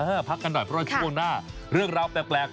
พักกันหน่อยเพราะว่าช่วงหน้าเรื่องราวแปลก